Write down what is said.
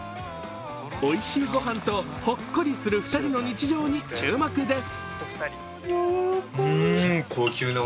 おいしい御飯とほっこりする２人の日常に注目です。